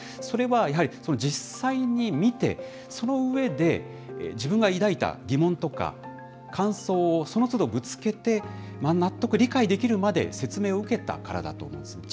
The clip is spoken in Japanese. それはやはり、実際に見て、その上で自分が抱いた疑問とか、感想をそのつどぶつけて、納得、理解できるまで説明を受けたからだと思うんです。